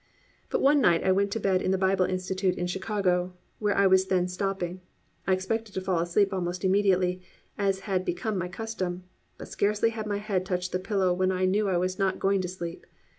But one night I went to bed in the Bible Institute in Chicago where I was then stopping. I expected to fall asleep almost immediately, as had become my custom, but scarcely had my head touched the pillow when I knew I was not going to sleep.